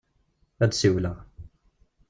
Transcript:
Ad d-siwleɣ.